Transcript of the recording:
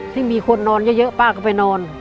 ที่มีคนนอนเยอะป้าก็ไปนอน